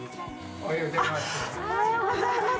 おはようございます。